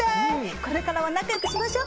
これからは仲良くしましょ！